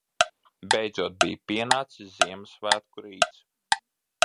Beidzot bija pienācis Ziemassvētku rīts.